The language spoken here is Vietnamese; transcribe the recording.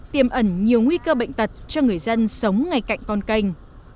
tiêm ẩn nhiều nguy cơ bệnh tật cho người dân sống ngay cạnh con canh